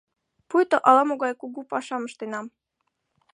Пуйто ала-могай кугу пашам ыштенам.